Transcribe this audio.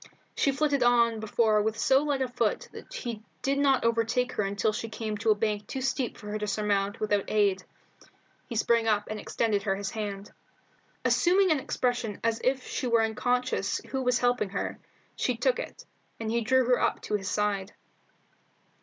She flitted on before with so light a foot that he did not overtake her until she came to a bank too steep for her to surmount without aid. He sprang up and extended her his hand. Assuming an expression as if she were unconscious who was helping her, she took it, and he drew her up to his side.